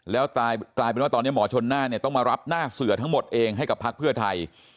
แล้วกลายเป็นว่าตอนนี้หมอชนหน้าเนี่ยต้องมารับหน้าเสือทั้งหมดเองให้กับพักเพื่อไทย